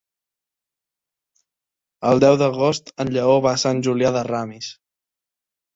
El deu d'agost en Lleó va a Sant Julià de Ramis.